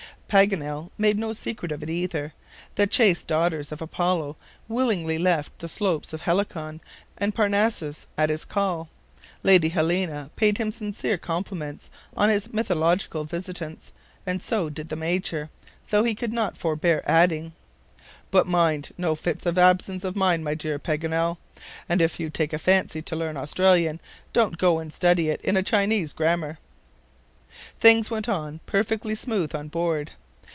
Paganel made no secret of it either. The chaste daughters of Apollo willingly left the slopes of Helicon and Parnassus at his call. Lady Helena paid him sincere compliments on his mythological visitants, and so did the Major, though he could not forbear adding: "But mind no fits of absence of mind, my dear Paganel; and if you take a fancy to learn Australian, don't go and study it in a Chinese grammar." Things went on perfectly smoothly on board.